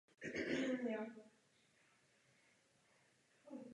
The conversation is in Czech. Samičky jsou vzácnější a dražší než samečci.